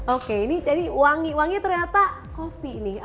oke ini jadi wangi wangi ternyata kopi nih